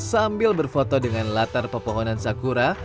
sambil berfoto dengan latar pepohonan sakura